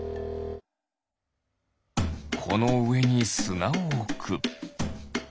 このうえにすなをおく。